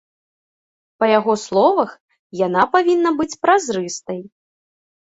Па яго словах, яна павінна быць празрыстай.